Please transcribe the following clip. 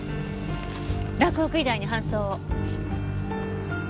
洛北医大に搬送を。